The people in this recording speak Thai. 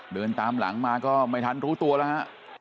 เดินตามหลังมาก็ไม่ทันรู้ตัวแล้วฮะ